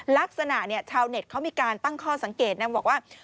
ลักษณะชาวเน็ตเขามีการตั้งข้อสังเกตนะบอกว่า